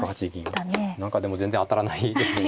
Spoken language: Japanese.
何かでも全然当たらないですね